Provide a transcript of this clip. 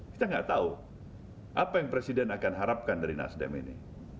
kita nggak tahu apa yang presiden akan harapkan dari nasdem ini